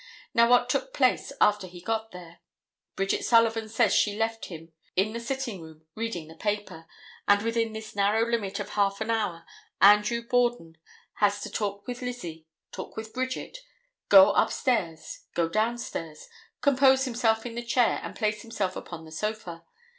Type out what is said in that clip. Now what took place after he got there? Bridget Sullivan says she left him in the sitting room reading the paper, and within this narrow limit of half an hour Andrew Borden has to talk with Lizzie, talk with Bridget, go up stairs, go down stairs, compose himself in the chair and place himself upon the sofa.